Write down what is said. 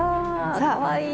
かわいい。